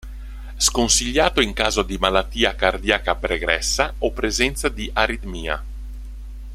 Sconsigliato in caso di malattia cardiaca pregressa o presenza di aritmia.